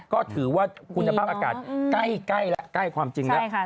ก็ถือว่าคุณภาพอากาศใกล้ความจริงแล้ว